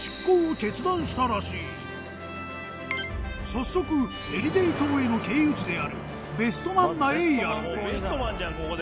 早速エリデイ島への経由地であるベストマンナエイヤルへ。